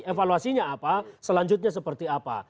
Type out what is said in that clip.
evaluasinya apa selanjutnya seperti apa